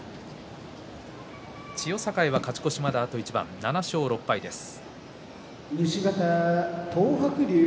千代栄は勝ち越しまであと一番７勝６敗です。